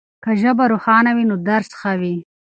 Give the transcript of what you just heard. که ژبه روښانه وي نو درس ښه وي.